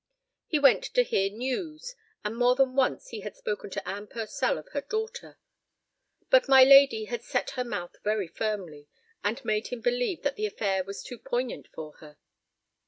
He went to hear news, and more than once he had spoken to Anne Purcell of her daughter; but my lady had set her mouth very firmly, and made him believe that the affair was too poignant for her.